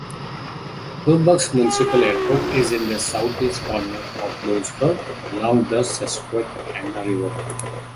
Bloomsburg Municipal Airport is in the southeast corner of Bloomsburg, along the Susquehanna River.